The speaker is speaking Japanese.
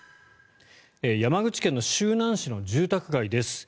山口県の周南市の住宅街です。